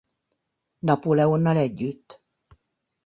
Napóleonnal együtt.